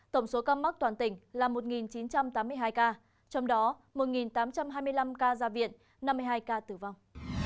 tổng số ca mắc toàn tỉnh là một chín trăm tám mươi hai ca trong đó một tám trăm hai mươi năm ca ra viện năm mươi hai ca tử vong